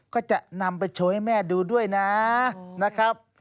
ก็จะนำไปโชว์ให้แม่ดูด้วยนะนะครับ